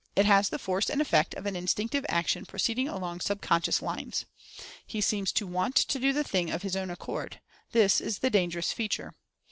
It has the force and effect of an instinctive action pro ceeding along sub conscious lines. He seems to want to do the thing of his own accord. This is the dan gerous feature.